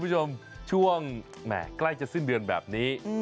ตอนแรกก็จะสิ้นเดือนแบบนี้